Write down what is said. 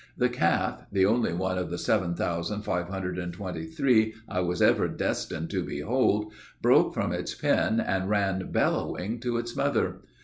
The calf, the only one of the seven thousand five hundred and twenty three I was ever destined to behold, broke from its pen and ran bellowing to its mother.